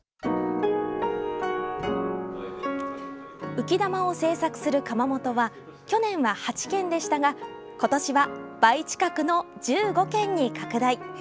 浮き球を制作する窯元は去年は８軒でしたがことしは倍近くの１５軒に拡大。